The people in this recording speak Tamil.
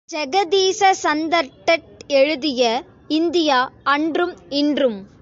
ஜெகதீச சந்தர்டட் எழுதிய இந்தியா அன்றும் இன்றும்.